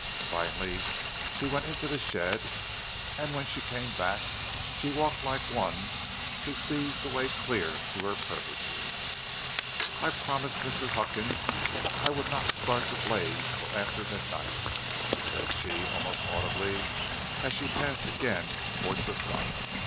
Finally, she went into the shed, and when she came back she walked like one who sees the way clear to her purposes. "I promised Mr. Huckins I would not start the blaze till after midnight," said she almost audibly, as she passed again towards the front.